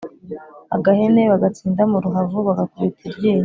agahene/ bagatsinda mu ruhavu/ bagakubita iryinyo